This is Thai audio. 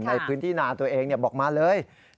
ในพื้นที่นาตัวเองบอกมาเลย